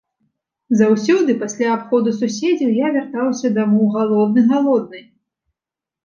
Заўсёды пасля абходу суседзяў я вяртаўся дамоў галодны, галодны.